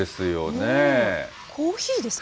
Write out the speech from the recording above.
コーヒーですか？